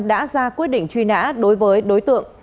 đã ra quyết định truy nã đối với đối tượng